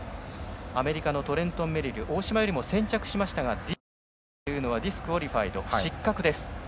アメリカのトレントン・メリル大島よりも先着しましたがＤＱはディスクオリファイド失格です。